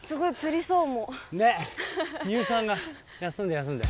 ねっ乳酸が休んで休んで。